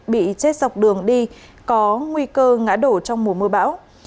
bị chết dọc đường đi có nguy cơ ngã đổ trong mùa mưa bão